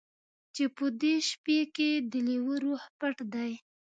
چې په دې سپي کې د لیوه روح پټ دی